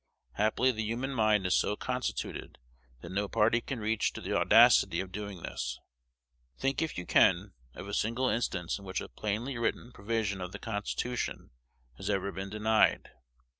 Happily the human mind is so constituted, that no party can reach to the audacity of doing this. Think, if you can, of a single instance in which a plainly written provision of the Constitution has ever been denied.